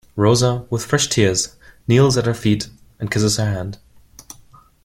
Rosa, with fresh tears, kneels at her feet and kisses her hand.